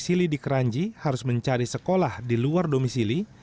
sili di kranji harus mencari sekolah di luar domisili